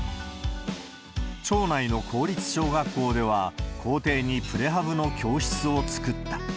町内の公立小学校では、校庭にプレハブの教室を造った。